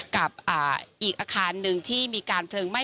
กับอีกอาคารหนึ่งที่มีการเพลิงไหม้